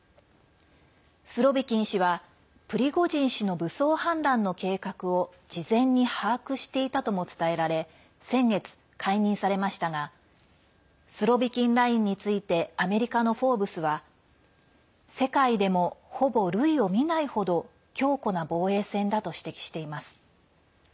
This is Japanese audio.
スロビキン氏はプリゴジン氏の武装反乱の計画を事前に把握していたとも伝えられ先月、解任されましたがスロビキン・ラインについてアメリカの「フォーブス」は世界でも、ほぼ類を見ない程強固な防衛線だと指摘しています。